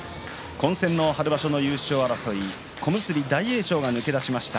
混戦の春場所の優勝争い小結大栄翔が抜け出しました。